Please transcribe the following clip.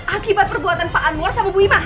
akibat perbuatan pak anwar sama bu wimah